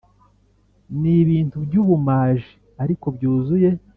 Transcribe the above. nibintu byubumaji ariko byuzuye.